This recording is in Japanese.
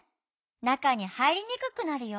なかにはいりにくくなるよ。